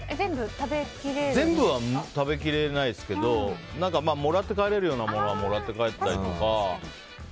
全部は食べきれないですけどもらって帰れるようなものはもらって帰ったりとか。